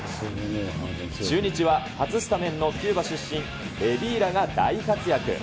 中日は初スタメンのキューバ出身、レビーラが大活躍。